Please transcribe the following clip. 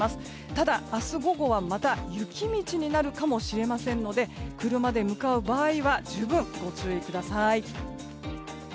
ただ、明日午後はまた雪道になるかもしれませんので車で向かう場合は十分ご注意ください。